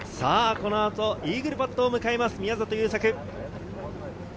このあとイーグルパットを迎えます、宮里優作。